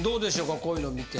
こういうの見て。